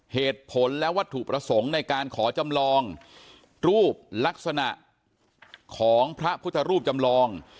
เหตุผลและวัตถุประสงค์ในการขอจำลองรูปลักษณะของพระพุทธรูปจำลอง